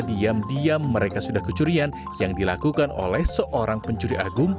diam diam mereka sudah kecurian yang dilakukan oleh seorang pencuri agung